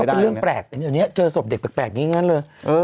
เป็นเรื่องแปลกเดี๋ยวนี้เจอศพเด็กแปลกอย่างนั้นเลย